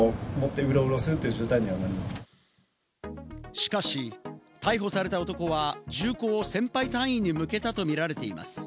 しかし、逮捕された男は銃口を先輩隊員に向けたとみられています。